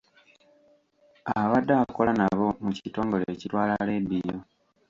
Abadde akola nabo mu kitongole ekitwala leediyo .